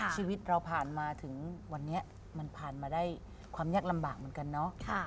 ชีวิตเราผ่านมาถึงวันนี้มันผ่านมาได้ความยากลำบากเหมือนกันเนาะ